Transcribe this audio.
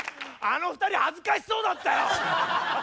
あの２人恥ずかしそうだったよ！